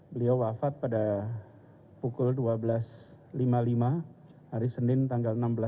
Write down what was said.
beliau wafat pada pukul dua belas lima puluh lima hari senin tanggal enam belas